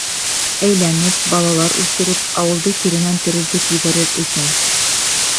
Әйләнеп, балалар үҫтереп, ауылды киренән терелтеп ебәрер өсөн!